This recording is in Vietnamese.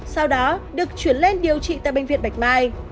sau đó được chuyển lên điều trị tại bệnh viện bạch mai